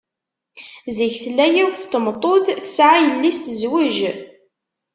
Zik tella yiwet n tmeṭṭut tesɛa yelli-s tezwej.